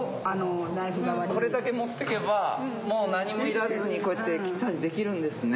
これだけ持ってけばもう何もいらずにこうやって切ったりできるんですね。